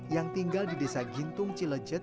yang tinggal di desa gintung cilecet